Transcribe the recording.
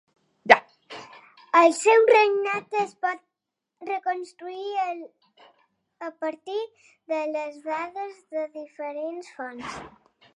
El seu regnat es pot reconstruir a partir de les dades de diferents fonts.